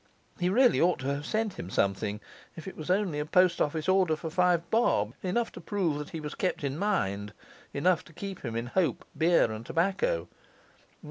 He really ought to have sent him something; if it was only a post office order for five bob, enough to prove that he was kept in mind, enough to keep him in hope, beer, and tobacco.